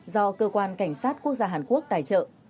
do cơ quan cảnh sát quốc gia hàn quốc tài trợ